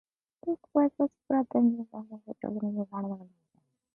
This development is expected to connect Broadstone Plaza from Constitution Hill to Grangegorman.